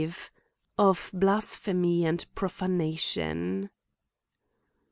V Of Blasphemy and Frofanation.